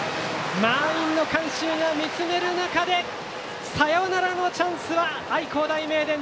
満員の観衆が見つめる中でサヨナラのチャンスは愛工大名電。